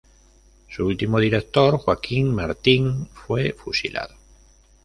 Su último director, Joaquín Martín, fue fusilado.